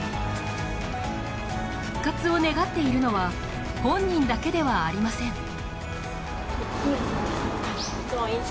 復活を願っているのは本人だけではありません。